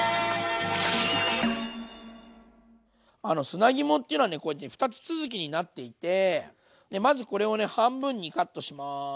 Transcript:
砂肝っていうのはこうやって二つ続きになっていてまずこれを半分にカットします。